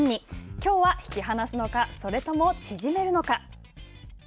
きょうは引き離すのかそれとも縮めるのか。